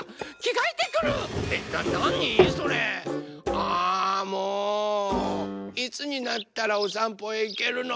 あもういつになったらおさんぽへいけるの？